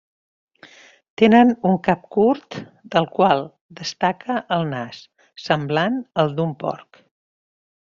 Tenen un cap curt, del qual destaca el nas, semblant al d'un porc.